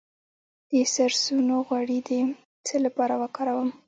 د سرسونو غوړي د څه لپاره وکاروم؟